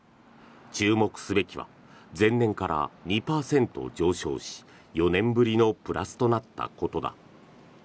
注目すべきは前年から２％上昇し４年ぶりのプラスとなったことだ。